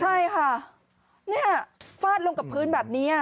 ใช่ค่ะเนี่ยฟาดลงกับพื้นแบบนี้